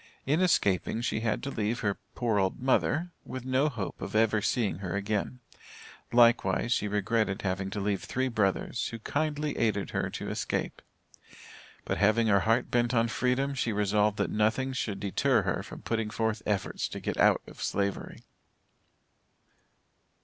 In escaping, she had to leave her "poor old mother" with no hope of ever seeing her again; likewise she regretted having to leave three brothers, who kindly aided her to escape. But having her heart bent on freedom, she resolved that nothing should deter her from putting forth efforts to get out of Slavery.